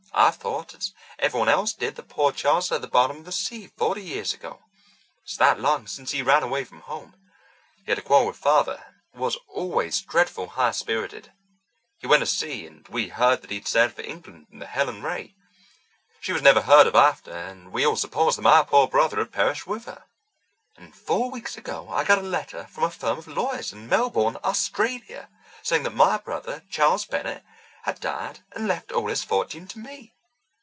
I thought, as everyone else did, that poor Charles was at the bottom of the sea forty years ago. It's that long since he ran away from home. He had a quarrel with Father, and he was always dreadful high spirited. He went to sea, and we heard that he had sailed for England in the Helen Ray. She was never heard of after, and we all supposed that my poor brother had perished with her. And four weeks ago I got a letter from a firm of lawyers in Melbourne, Australia, saying that my brother, Charles Bennett, had died and left all his fortune to me.